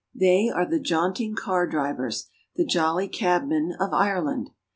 They are the jaunting car drivers, the jolly cabmen of Ireland.